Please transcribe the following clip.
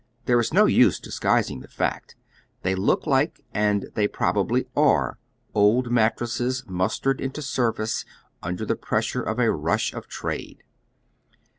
There is no use disguising the fact; they look like and they prob ably are old mattresses mustered into service under the pressure of a I'ush of trade.